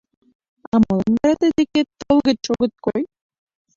— А молан вара тый декет толгыч огыт кой?